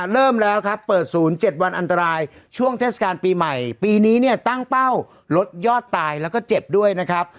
เริ่มแล้วครับเปิดศูนย์๗วันอันตรายช่วงเทศกาลปีใหม่ปีนี้เนี่ยตั้งเป้าลดยอดตายแล้วก็เจ็บด้วยนะครับ